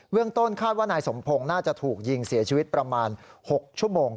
เรื่องต้นคาดว่านายสมพงศ์น่าจะถูกยิงเสียชีวิตประมาณ๖ชั่วโมง